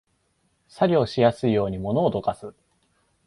作業しやすいように物をどかす